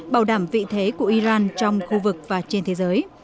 bảo đảm vị thế của iran trong khu vực và trên thế giới